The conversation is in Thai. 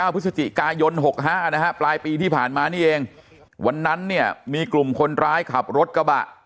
พฤศจิกายน๖๕นะฮะปลายปีที่ผ่านมานี่เองวันนั้นเนี่ยมีกลุ่มคนร้ายขับรถกระบะ